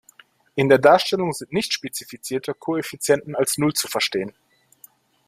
In der Darstellung sind nicht spezifizierte Koeffizienten als Null zu verstehen.